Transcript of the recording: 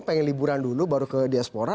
pengen liburan dulu baru ke diaspora